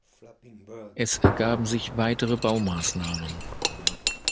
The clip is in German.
Es ergaben sich weitere Baumaßnahmen.